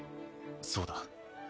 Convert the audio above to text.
そうだ。